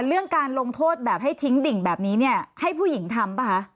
เรื่องการลงโทษแบบให้ทิ้งดิ่งแบบนี้เนี่ยให้ผู้หญิงทำป่ะคะ